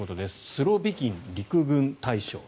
スロビキン陸軍大将。